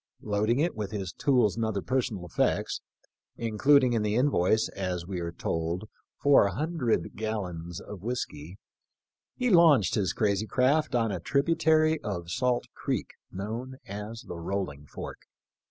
Loading it with his tools and other personal effects, including in the invoice, as we are told, four hundred gallons of whiskey, he launched his " crazy craft " on a tribu tary of Salt creek known as the Rolling Fork.